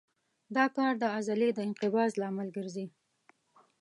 دا کار د عضلې د انقباض لامل ګرځي.